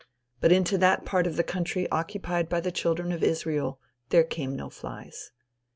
But into that part of the country occupied by the children of Israel there came no flies.